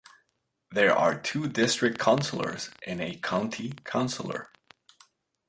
There are Two District Councillors and a County Councillor.